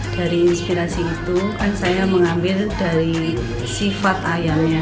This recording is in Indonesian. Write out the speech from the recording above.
dari inspirasi itu kan saya mengambil dari sifat ayamnya